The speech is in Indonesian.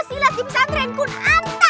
silat di pesantren kunanta